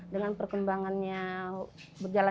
dengan perkembangannya berjalan